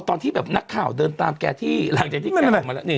ตอนที่แบบนักข่าวเดินตามแกที่หลังจากที่แกออกมาแล้วนี่